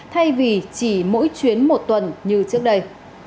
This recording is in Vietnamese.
thay vì chỉ mỗi chuyến một tuần như trước đây